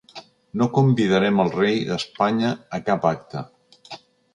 No convidarem el rei d’Espanya a cap acte